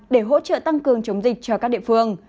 để hỗ trợ tăng cường chống dịch cho các địa phương